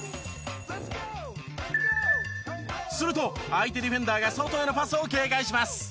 すると相手ディフェンダーが外へのパスを警戒します。